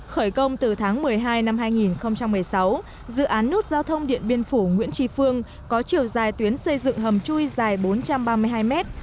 khởi công từ tháng một mươi hai năm hai nghìn một mươi sáu dự án nút giao thông điện biên phủ nguyễn tri phương có chiều dài tuyến xây dựng hầm chui dài bốn trăm ba mươi hai mét